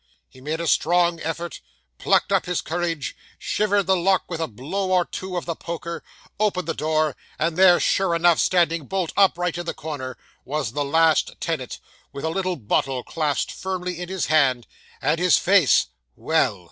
He made a strong effort, plucked up his courage, shivered the lock with a blow or two of the poker, opened the door, and there, sure enough, standing bolt upright in the corner, was the last tenant, with a little bottle clasped firmly in his hand, and his face well!